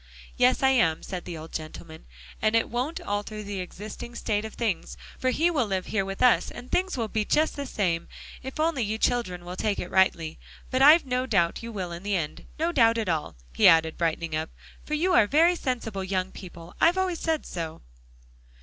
"Yes, I am," said the old gentleman, "and it won't alter the existing state of things, for he will live here with us, and things will be just the same, if only you children will take it rightly. But I've no doubt you will in the end; no doubt at all," he added, brightening up, "for you are very sensible young people. I've always said so."